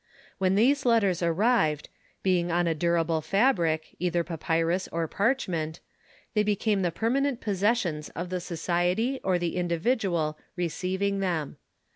When these letters arrived, being on a durable fabric, either papyrus or parchment, they became the permanent possessions of the society or the individual re ceiving them.